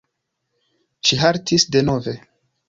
Ŝi haltis denove.